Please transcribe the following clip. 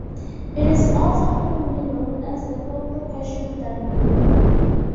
It is also commonly known as the purple passion danio.